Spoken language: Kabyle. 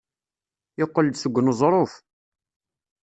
Yeqqel-d seg uneẓruf.